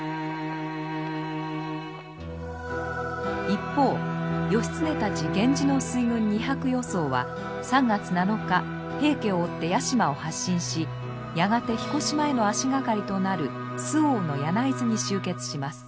一方義経たち源氏の水軍２００余そうは３月７日平家を追って屋島を発進しやがて彦島への足掛かりとなる周防の柳井津に集結します。